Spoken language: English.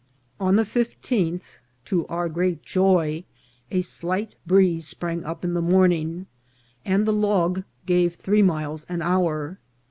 On the fifteenth, to our great joy, a slight breeze sprang up in the morning, and the log gave three miles an hour.